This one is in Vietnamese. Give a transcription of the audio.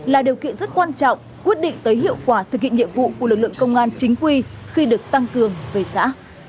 là điều kiện rất quan trọng quyết định tới hiệu quả thực hiện nhiệm vụ của lực lượng công an chính quy khi được tăng cường về xã